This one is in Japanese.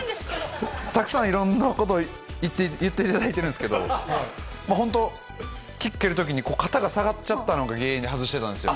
たくさんいろんなことを言っていただいてるんですけど、本当、キック蹴るときに肩が下がっちゃったのが原因で外してたんですよ。